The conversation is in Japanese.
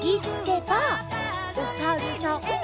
おさるさん。